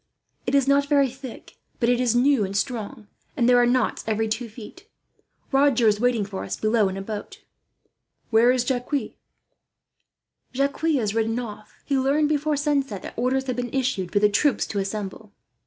It is not very thick, but it is new and strong, and there are knots every two feet. Roger is waiting for us below, in a boat." "Where is Jacques?" "Jacques has ridden off. He learned, before sunset, that orders had been issued for the troops to assemble.